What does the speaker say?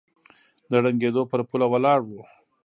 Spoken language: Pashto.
د ړنګېدو پر پوله ولاړ و